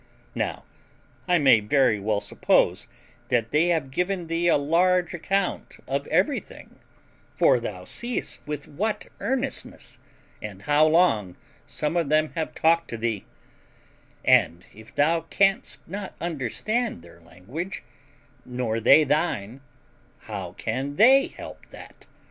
Now, I may very well suppose that they have given thee a large account of everything; for thou seest with what earnestness, and how long, some of them have talked to thee; and if thou canst not understand their language, nor they thine, how can they help that?